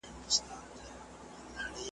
تاریخ ته باید له بې طرفه زاویې وګورو.